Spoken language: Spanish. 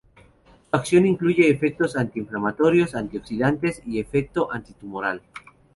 Su acción incluye efectos anti inflamatorios, anti oxidantes y efecto antitumoral.